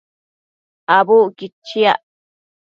Abucquid chiac